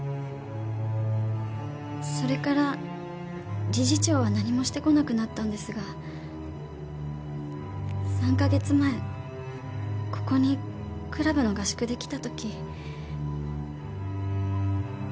それから理事長は何もしてこなくなったんですが３か月前ここにクラブの合宿で来た時。